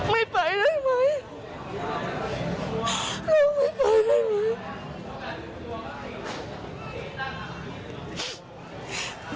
ไม่ไปได้ไหมเราไม่ไปได้ไหม